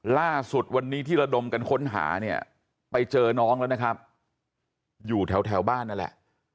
ล่าสุดวันนี้ที่ระดมกันค้นหาเนี่ยไปเจอน้องแล้วนะครับอยู่แถวบ้านนั่นแหละ